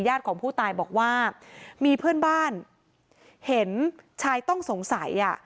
ของผู้ตายบอกว่ามีเพื่อนบ้านเห็นชายต้องสงสัยอ่ะ